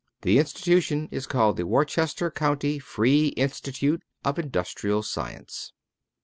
The institution is called the Worcester County Free Institute of Industrial Science.